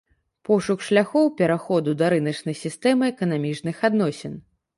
Пошук шляхоў пераходу да рыначнай сістэмы эканамічных адносін.